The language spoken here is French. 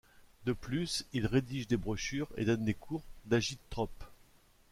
De plus il rédige des brochures et donne des cours d'agitprop.